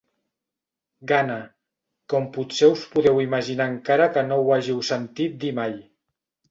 Gana, com potser us podeu imaginar encara que no ho hàgiu sentit dir mai.